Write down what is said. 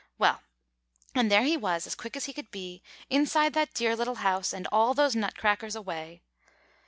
Well, and there he was as quick as could be, inside that dear little house, and all those Nutcrackers away."